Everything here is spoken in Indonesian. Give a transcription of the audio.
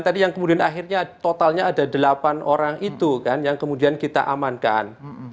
tadi yang kemudian akhirnya totalnya ada delapan orang itu kan yang kemudian kita amankan